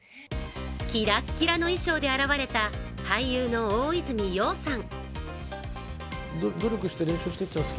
キラッキラの衣装で現れた俳優の大泉洋さん。